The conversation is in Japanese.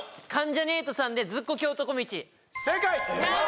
正解！